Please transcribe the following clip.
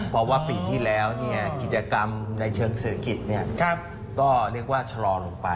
เพราะว่าปีที่แล้วกิจกรรมในเชิงเศรษฐกิจก็เรียกว่าชะลอลงไป